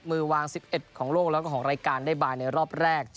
มือวาง๑๑ของโลกแล้วก็ของรายการได้บานในรอบแรก